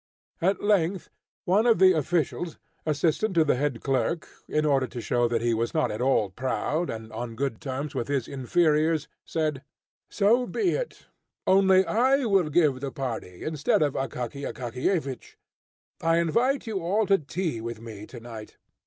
At length one of the officials, assistant to the head clerk, in order to show that he was not at all proud, and on good terms with his inferiors, said: "So be it, only I will give the party instead of Akaky Akakiyevich; I invite you all to tea with me to night.